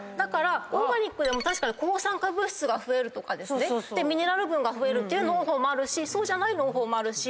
オーガニックでも確かに抗酸化物質が増えるとかミネラル分が増える農法もあるしそうじゃない農法もあるし。